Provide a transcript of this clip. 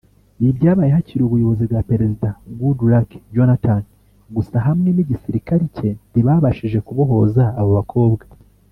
Ibi byabaye hakiri ubuyobozi bwa Perezida Goodluck Jonnathan; gusa hamwe n’igisirikari cye ntibabashije kubohoza abo bakobwa